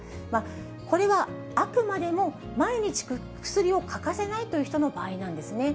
これはあくまでも毎日薬を欠かせないという人の場合なんですね。